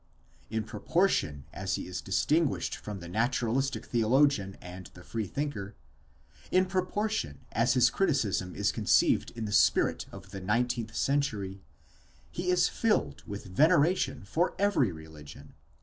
In proportion as he is distinguished from the naturalistic theo logian, and the free thinker,—in proportion as his criticism is conceived in the spirit of the nineteenth century,—he is filled with veneration for every religion, 757 758 CONCLUDING DISSERTATION.